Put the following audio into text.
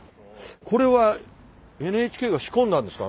これはＮＨＫが仕込んだんですか？